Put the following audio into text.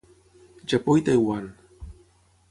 Japó i Taiwan.